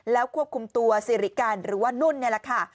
แล้วควบคุมตัวสิริกันหรือว่านุ่นนี่แหละค่ะ